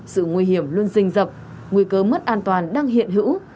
sự nguy hiểm luôn rình dập nguy cơ mất an toàn đang hiện hữu